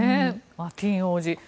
マティーン王子。